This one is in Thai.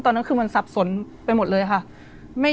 ตอนนั้นคือมันสับสนไปหมดเลยค่ะ